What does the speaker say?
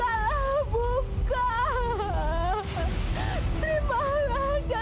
oh satu orangnya